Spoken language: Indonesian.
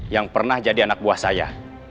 yang pernah jadi anak buah saya